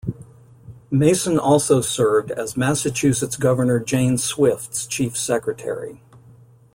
Mason also served as Massachusetts Governor Jane Swift's chief secretary.